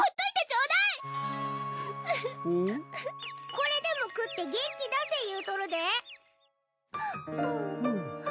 これでも食って元気出せ言うとるで。